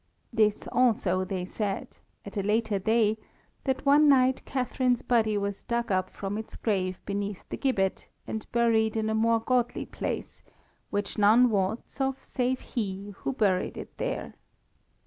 This also they said, at a later day, that one night Catharine's body was dug up from its grave beneath the gibbet and buried in a more godly place, which none wots of save he who buried it there.